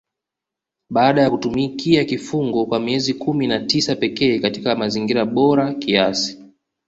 Baada ya kutumikia kifungo kwa miezi kumi na tisa pekee katika mazingira bora kiasi